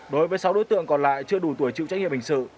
đối với sáu đối tượng còn lại chưa đủ tuổi chịu trách nhiệm hình sự